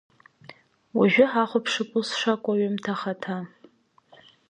Уажәы ҳахәаԥшып ус шакәу аҩымҭа ахаҭа.